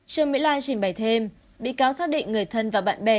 trương mỹ lan trình bày thêm bị cáo xác định người thân và bạn bè